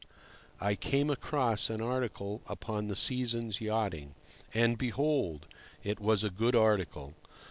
I came across an article upon the season's yachting. And, behold! it was a good article.